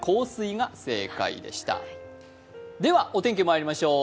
ではお天気まいりましょう。